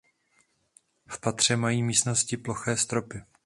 V patře mají místnosti ploché stropy.